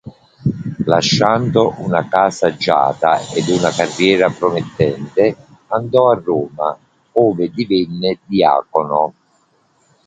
Lasciando una casa agiata ed una carriera promettente, andò a Roma, ove divenne diacono.